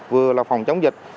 vừa là phòng chống dịch